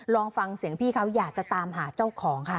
ลองฟังเสียงพี่เขาอยากจะตามหาเจ้าของค่ะ